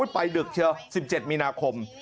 ไปดึกเชียว๑๗มีนาคม